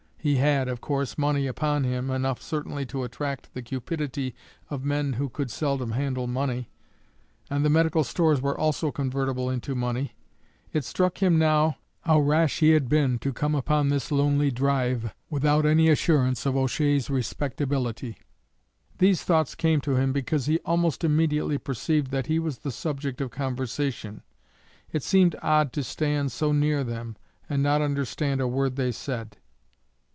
He had, of course, money upon him, enough certainly to attract the cupidity of men who could seldom handle money, and the medical stores were also convertible into money. It struck him now how rash he had been to come upon this lonely drive without any assurance of O'Shea's respectability. These thoughts came to him because he almost immediately perceived that he was the subject of conversation. It seemed odd to stand so near them and not understand a word they said.